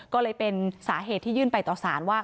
ก็เลยเป็นสาเหตุที่ยื่นไปต่อสารว่า